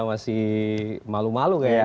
masih malu malu gak ya